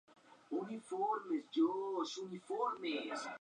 La persecución termina en un bosque en el que están construyendo una urbanización.